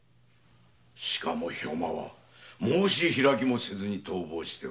しかも兵馬は申し開きもせず逃亡した。